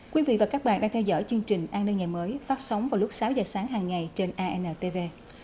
quý vị và các bạn đang theo dõi chương trình an nênh ngày mới phát sóng vào lúc sáu h sáng hàng ngày trên anntv